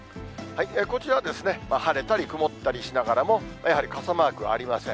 こちらは晴れたり曇ったりしながらも、やはり傘マークはありません。